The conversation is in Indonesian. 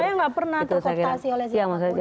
enggak saya gak pernah terokotasi oleh siapa